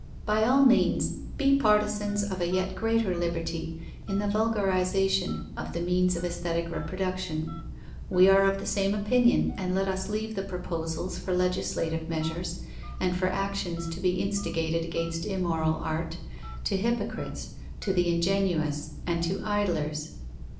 By all means, be partisans of a yet greater liberty in the vulgarization of the means of aesthetic reproduction; we are of the same opinion, and let us leave the proposals for legislative measures, and for actions to be instigated against immoral art, to hypocrites, to the ingenuous, and to idlers.